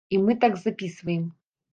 І мы так запісваем.